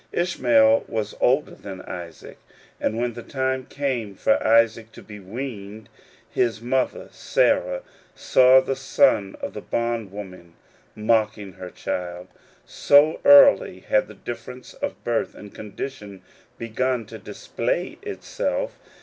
Ishmael was older than Isaac, and when the tinie came for Isaac to be weaned, his mother, Sarah, saw the son of the bond woman mocking her child: so early had the difference of birth and condition begun to display itself.